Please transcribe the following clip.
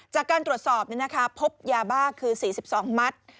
จากการตรวจสอบพบยาบ้าคือ๔๒มัด